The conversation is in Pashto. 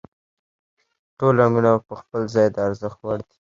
ټول رنګونه په خپل ځای د ارزښت وړ دي.